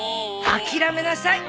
諦めなさい。